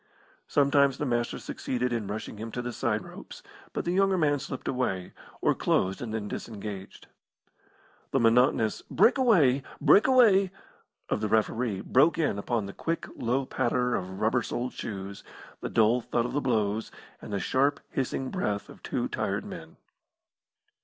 Sometimes the Master succeeded in rushing him to the side ropes, but the younger man slipped away, or closed and then disengaged. The monotonous "Break away! Break away!" of the referee broke in upon the quick, low patter of rubber soled shoes, the dull thud of the blows, and the sharp, hissing breath of two tired men.